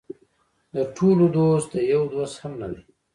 د ټولو دوست د یو دوست هم نه دی.